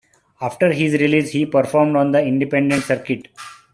After his release, he performed on the independent circuit.